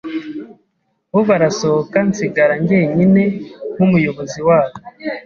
bo barasohoka nsigara njyenyine nk’umuyobozi wabo